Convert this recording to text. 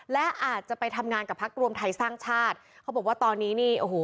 และอาจจะไปทำงานกับพักรวมไทยสร้างชาติเขาบอกว่าตอนนี้นี่โอ้โห